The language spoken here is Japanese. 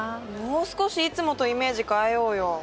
もう少しいつもとイメージ変えようよ。